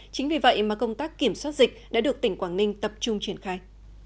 chính vì vậy mà công tác kiểm soát dịch đã được tỉnh quảng ninh tập trung triển khai